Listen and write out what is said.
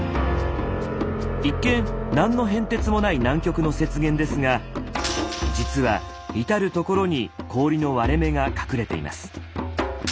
一見何の変哲もない南極の雪原ですが実は至る所に氷の割れ目が隠れています。